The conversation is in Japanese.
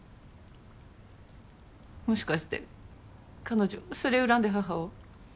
もしかして彼女それ恨んで母を？